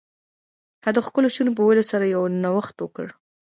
هغه د ښکلو شعرونو په ویلو سره یو نوښت وکړ